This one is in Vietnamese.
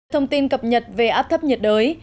thông tin cập nhật về áp thấp nhiệt đới